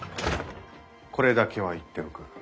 これだけは言っておく。